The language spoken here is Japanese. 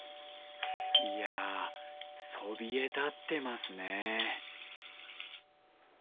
いやぁ、そびえ立ってますね。